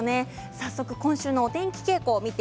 早速今週のお天気傾向です。